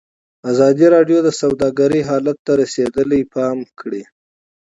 ازادي راډیو د سوداګري حالت ته رسېدلي پام کړی.